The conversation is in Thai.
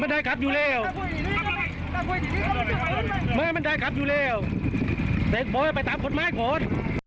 มันได้ขับอยู่แล้วมันได้ขับอยู่แล้วไปตามกฎไม้ขน